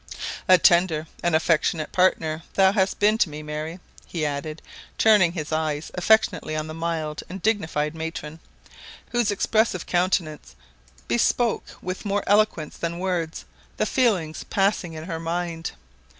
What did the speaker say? "A tender and affectionate partner hast thou been to me, Mary," he added, turning his eyes affectionately on the mild and dignified matron, whose expressive countenance bespoke with more eloquence than words the feelings passing in her mind.